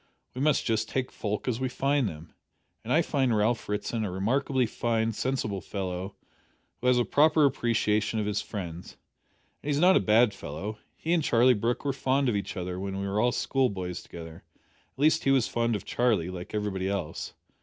We must just take folk as we find them, and I find Ralph Ritson a remarkably fine, sensible fellow, who has a proper appreciation of his friends. And he's not a bad fellow. He and Charlie Brooke were fond of each other when we were all schoolboys together at least he was fond of Charlie, like everybody else.